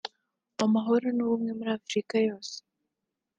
Amahoro n’ubumwe muri Afurika yose